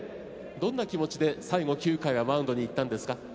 どんな気持ちで最後９回はマウンドに行ったんですか。